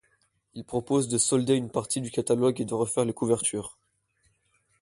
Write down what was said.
Il propose de solder une partie du catalogue et de refaire les couvertures.